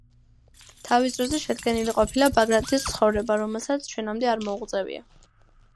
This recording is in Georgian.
თავის დროზე შედგენილი ყოფილა ბაგრატის „ცხოვრება“, რომელსაც ჩვენამდე არ მოუღწევია.